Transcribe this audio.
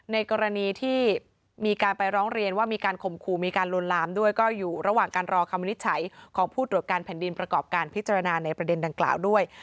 ในกรณีที่มีการไปร้องเรียนว่ามีการข่มขู่มีการลวนลามด้วยก็อยู่ระหว่างการรอคำวินิจฉัยของผู้ตรวจการแผ่นดินประกอบการพิจารณาในประเด็นดังกล่าวด้วย